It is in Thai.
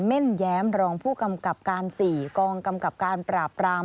เน่นแย้มรองผู้กำกับการ๔กองกำกับการปราบราม